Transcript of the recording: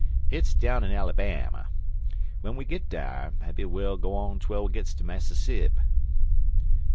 "Hit's down in Alabam. When we git dar, maybe well go on twel we gits ter Massasip."